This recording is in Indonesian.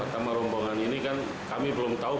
pertama rombongan ini kan kami berpengalaman